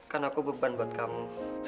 karena aku beban buat kamu